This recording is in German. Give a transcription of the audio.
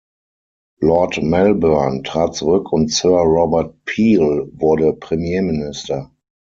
Lord Melbourne trat zurück und Sir Robert Peel wurde Premierminister.